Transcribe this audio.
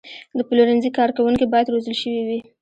د پلورنځي کارکوونکي باید روزل شوي وي.